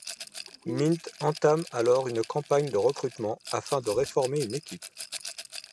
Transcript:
Mint entame alors une campagne de recrutement afin de reformer une équipe.